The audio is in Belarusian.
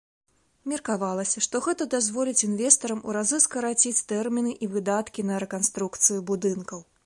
Меркавалася, што гэта дазволіць інвестарам у разы скараціць тэрміны і выдаткі на рэканструкцыю будынкаў.